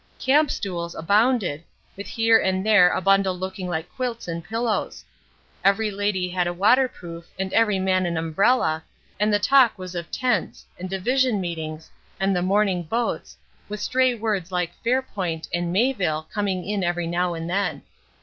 Camp stools abounded, with here and there a bundle looking like quilts and pillows. Every lady had a waterproof and every man an umbrella, and the talk was of "tents," and "division meetings," and "the morning boats," with stray words like "Fairpoint" and "Mayville" coming in every now and then.